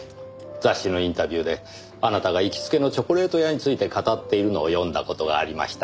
雑誌のインタビューであなたが行きつけのチョコレート屋について語っているのを読んだ事がありました。